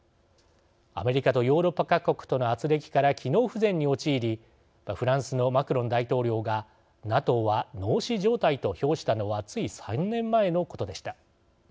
アメリカとヨーロッパ各国とのあつれきから機能不全に陥りフランスのマクロン大統領がＮＡＴＯは脳死状態と評したのはつい３年前のことでした。